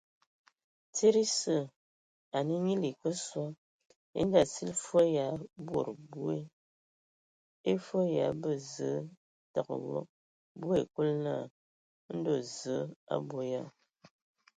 Tsid esǝ, ane nyili e kǝ sɔ, e Ngaa- sili fwe ya bod boe; e fwe ya abə zəə tǝgǝ wog. Bɔ ai Kulu naa : Ndɔ Zǝə a abɔ.